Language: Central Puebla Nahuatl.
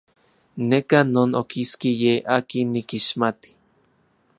Neka non okiski ye akin nikixmati.